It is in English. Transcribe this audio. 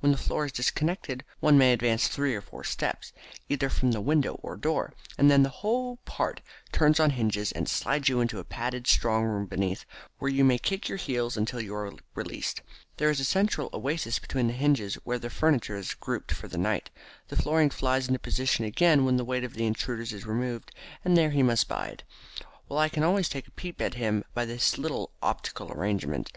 When the floor is disconnected one may advance three or four steps, either from the window or door, and then that whole part turns on a hinge and slides you into a padded strong room beneath, where you may kick your heels until you are released. There is a central oasis between the hinges, where the furniture is grouped for the night. The flooring flies into position again when the weight of the intruder is removed, and there he must bide, while I can always take a peep at him by this simple little optical arrangement.